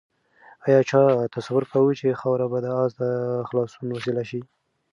آیا چا تصور کاوه چې خاوره به د آس د خلاصون وسیله شي؟